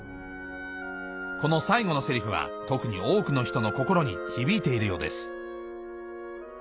この最後のセリフは特に多くの人の心に響いているようです